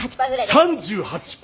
３８％！？